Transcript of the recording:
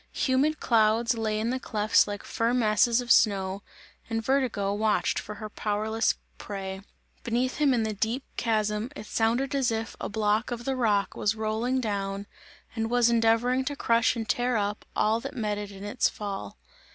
Humid clouds lay in the clefts like firm masses of snow and Vertigo watched for her powerless prey; beneath him in the deep chasm it sounded as if a block of the rock was rolling down and was endeavouring to crush and tear up all that met it in its fall.